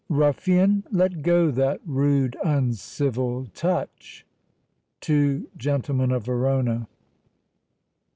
Ruffian, let go that rude uncivil touch! TWO GENTLEMEN OF VERONA.